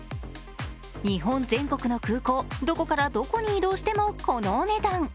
日本全国の空港、どこからどこに移動してもこのお値段。